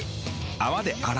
泡で洗う。